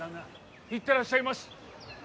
行ってらっしゃいまし！